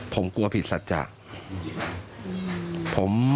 ผมกลัวผิดสัตว์จักร